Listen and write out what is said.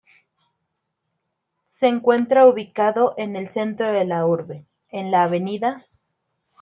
Se encuentra ubicado en el centro de la urbe, en la Av.